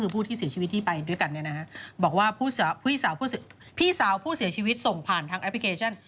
พี่สาวผู้เสียชีวิตส่งผ่านทางแอปพลิเคชัน